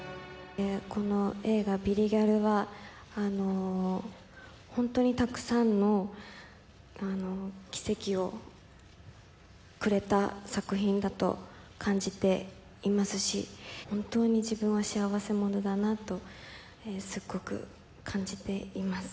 この『映画ビリギャル』はホントにたくさんの奇跡をくれた作品だと感じていますし本当に自分は幸せ者だなとすっごく感じています。